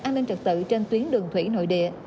an ninh trật tự trên tuyến đường thủy nội địa